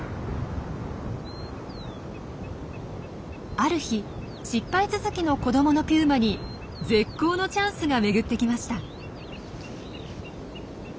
ある日失敗続きの子どものピューマに絶好のチャンスが巡ってきました。